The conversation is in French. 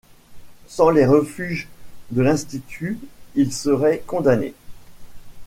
Sans les refuges de l'Institut, ils seraient condamnés.